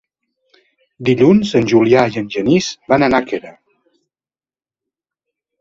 Dilluns en Julià i en Genís van a Nàquera.